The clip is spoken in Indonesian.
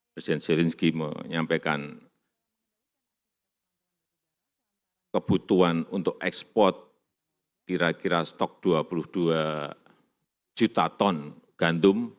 presiden zelensky menyampaikan kebutuhan untuk ekspor kira kira stok dua puluh dua juta ton gandum